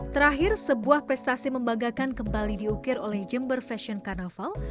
terakhir sebuah prestasi membanggakan kembali diukir oleh jember fashion carnaval